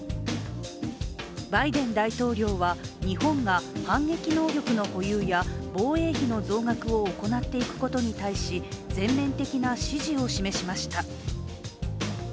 バイデン大統領は日本が反撃能力の保有や防衛費の増額を行っていくことに対し全面的な支持を示しました。